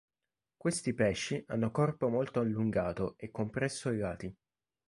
Questi pesci hanno corpo molto allungato e compresso ai lati.